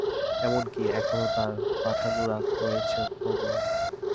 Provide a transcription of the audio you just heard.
এমন-কি, এখনো তার পাঠানুরাগ রয়েছে প্রবল।